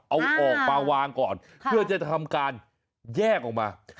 เอาออกมาวางก่อนเพื่อจะทำการแยกออกมา